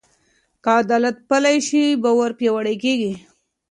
که عدالت پلی شي، باور پیاوړی کېږي.